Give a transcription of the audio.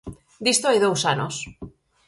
Disto hai dous anos.